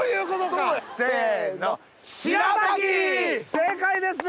正解ですね？